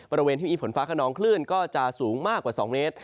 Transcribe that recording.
บริเวณที่มีฝนฟ้าขนองคลื่นก็จะสูงมากกว่า๒เมตร